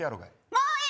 もういい！